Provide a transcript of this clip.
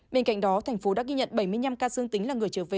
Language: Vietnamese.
bên cạnh đó thành phố đã ghi nhận bảy mươi năm ca dương tính là người trở về